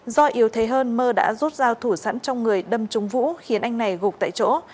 do yếu thế hơn mơ đã rút dao thủ sẵn trong người đâm trúng vũ khiến anh này gục tại chỗ